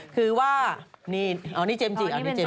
คือว่านี่เจมส์จิอะ